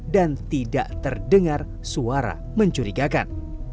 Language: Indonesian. dan tidak terdengar suara mencurigakan